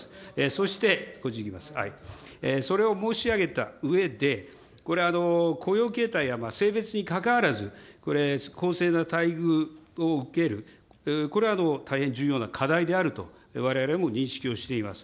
そして、こっちいきます、それを申し上げたうえで、これ、雇用形態や性別にかかわらず、公正な待遇を受ける、これは大変重要な課題であると、われわれも認識をしております。